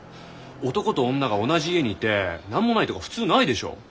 男と女が同じ家にいて何もないとか普通ないでしょ？